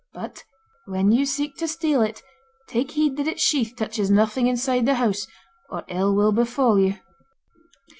But when you seek to steal it, take heed that its sheath touches nothing inside the house, or ill will befall you.